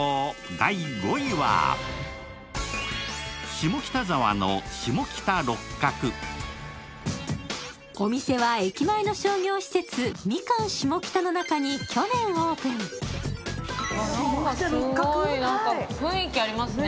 下北沢の下北六角お店は駅前の商業施設ミカン下北の中に去年オープンなんかすごい雰囲気ありますね